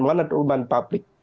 mana domain publik